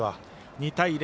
２対０